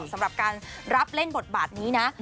สำหรับการรับเล่นบทบาทนี้นะ